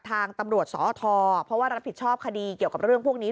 ทางตำรวจสอทเพราะว่ารับผิดชอบคดีเกี่ยวกับเรื่องพวกนี้